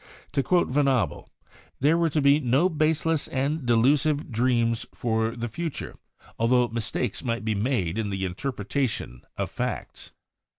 To quote Venable, "There were to be no baseless and delusive dreams for the future, altho mistakes might be made in the interpretation of facts.